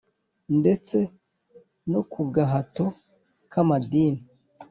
ndetse no ku gahato k`amadini.